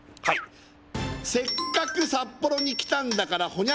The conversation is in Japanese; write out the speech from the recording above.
はい「せっかく札幌に来たんだから」